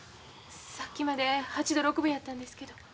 さっきまで８度６分やったんですけど。